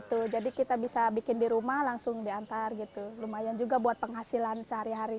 itu jadi kita bisa bikin di rumah langsung diantar gitu lumayan juga buat penghasilan sehari hari